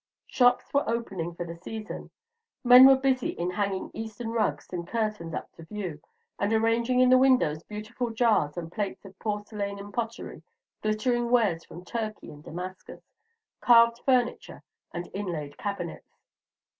Shops were opening for the season. Men were busy in hanging Eastern rugs and curtains up to view, and arranging in the windows beautiful jars and plates of porcelain and pottery, glittering wares from Turkey and Damascus, carved furniture, and inlaid cabinets.